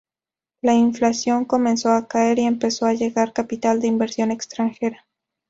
La inflación comenzó a caer y empezó a llegar capital de inversión extranjera.